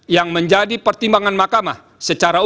yang menjadi pertimbangan mahkamah secara umum